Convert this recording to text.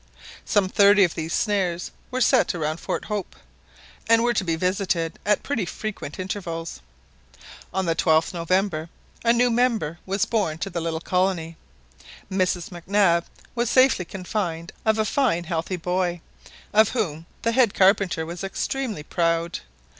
Some thirty of these snares were set round Fort Hope, and were to be visited at pretty frequent intervals. On the 12th November a new member was born to the little colony. Mrs Mac Nab was safely confined of a fine healthy boy, of whom the head carpenter was extremely proud.